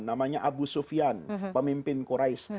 namanya abu sufyan pemimpin quraish